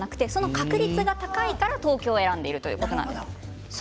確率が高いから東京を選んでいるということです。